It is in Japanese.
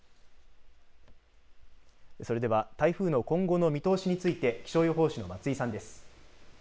それでは台風の今後の見通しについて気象予報士の松井さんです。